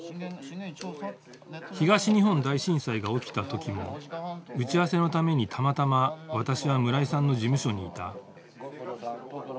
東日本大震災が起きた時も打ち合わせのためにたまたま私は村井さんの事務所にいた。